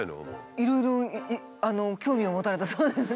いろいろ興味を持たれたそうですね。